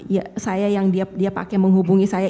ya saya yang dia pakai menghubungi saya